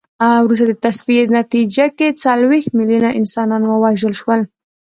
وروسته د تصفیې په نتیجه کې څلوېښت میلیونه انسانان ووژل شول.